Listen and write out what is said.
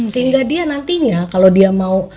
sehingga dia nantinya kalau dia mau